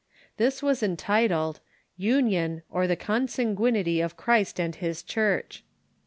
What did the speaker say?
This was entitled " Union, or the Consanguinity of Christ and His Church."